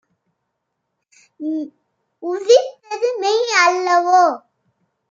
உதித்தது மெய்அல்லவோ?